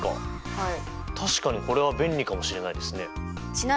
はい。